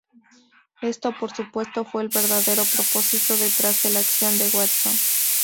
Esto, por supuesto, fue el verdadero propósito detrás de la acción de Watson.